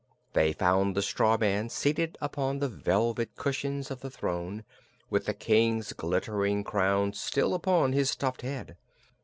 They found the straw man seated upon the velvet cushions of the throne, with the King's glittering crown still upon his stuffed head.